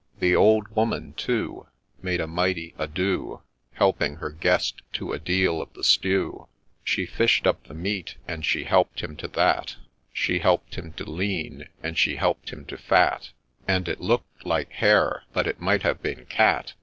The old woman, too Made a mighty ado, Helping her guest to a deal of the stew ; She fish'd up the meat, and she help'd him to that, She help'd him to lean, and she help'd him to fat, And it look'd like Hare — but it might have been Cat.